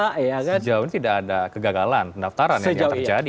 sejauh ini tidak ada kegagalan pendaftaran yang tidak terjadi